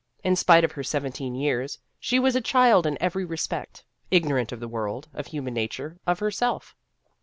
In spite of her seventeen years, she was a child in every respect ignorant of the world, of human nature, of herself.